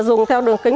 dùng theo đường kính